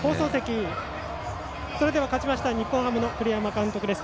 それでは勝ちました日本ハムの栗山監督です。